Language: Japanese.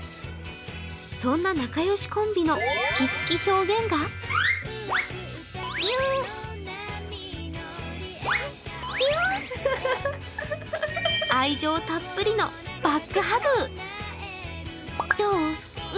そんな仲よしコンビの好き好き表現が愛情たっぷりのバックハグ。